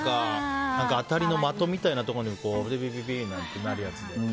当たりの的みたいなところにピピピッてなるやつで。